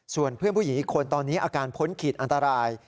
ส่วนเพื่อนผู้หญิงอีกคนตอนนี้อาการพ้นขีดอันตราย